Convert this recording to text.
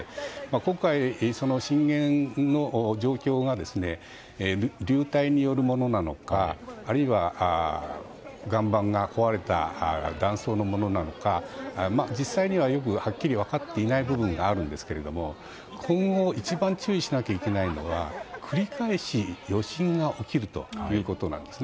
今回、震源の状況が流体によるものなのかあるいは、岩盤が壊れた断層のものなのか実際にははっきり分かっていない部分があるんですけれども今後一番注意しなければいけないのは繰り返し余震が起こることなんです。